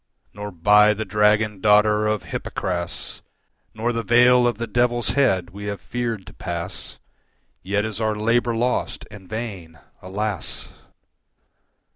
Nor by the dragon daughter of Hypocras Nor the vale of the Devil's head we have feared to pass, Yet is our labour lost and vain, alas!